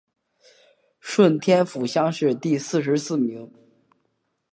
顺天府乡试第四十四名。